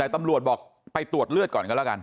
แต่ตำรวจบอกไปตรวจเลือดก่อนกันแล้วกัน